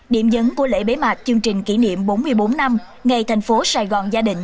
điểm dấn của lễ bế mạc chương trình kỷ niệm bốn mươi bốn năm ngày thành phố sài gòn gia đình